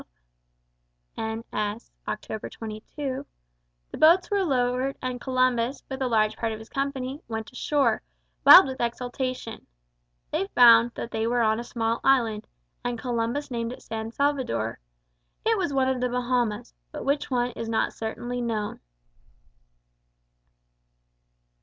At daybreak of Friday, October 12 (N. S. October 22), the boats were lowered and Columbus, with a large part of his company, went ashore, wild with exultation. They found that they were on a small island, and Columbus named it San Salvador. It was one of the Bahamas, but which one is not certainly known.